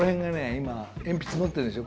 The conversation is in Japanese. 今鉛筆持ってるでしょ？